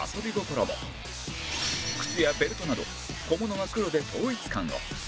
靴やベルトなど小物は黒で統一感を